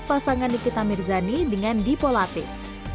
pasangan nikita mirzani dengan di polatif